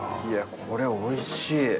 いやこれおいしい！